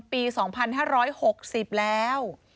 ปี๒๕๖๐แล้ว